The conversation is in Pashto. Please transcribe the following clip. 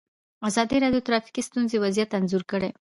ازادي راډیو د ټرافیکي ستونزې وضعیت انځور کړی.